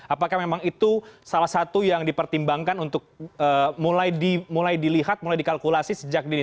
apakah memang itu salah satu yang dipertimbangkan untuk mulai dilihat mulai dikalkulasi sejak dini